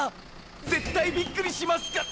絶対びっくりしますから。